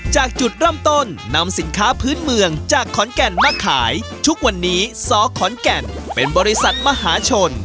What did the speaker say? จากจุดเริ่มต้นนำสินค้าพื้นเมืองจากขอนแก่นมาขายทุกวันนี้สขอนแก่นเป็นบริษัทมหาชน